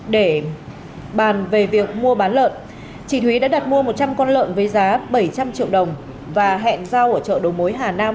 để bàn về việc mua bán lợn chị thúy đã đặt mua một trăm linh con lợn với giá bảy trăm linh triệu đồng và hẹn giao ở chợ đầu mối hà nam